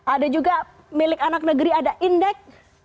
ada juga milik anak negeri ada indeks